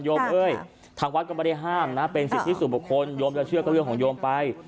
เอ้ยทางวัดก็ไม่ได้ห้ามนะเป็นสิทธิส่วนบุคคลโยมจะเชื่อก็เรื่องของโยมไป